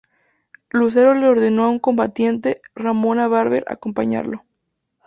Lucero le ordenó a una combatiente, Ramona Barber, acompañarlo.